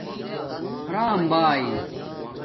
رام بائئ